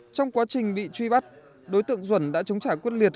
trong quá trình bị truy bắt đối tượng duẩn đã chống trả quyết liệt